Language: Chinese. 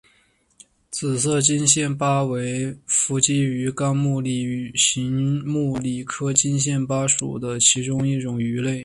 紫色金线鲃为辐鳍鱼纲鲤形目鲤科金线鲃属的其中一种鱼类。